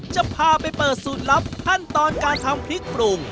จะพาไปเปิดสูตรลับขั้นตอนการทำพริกปรุง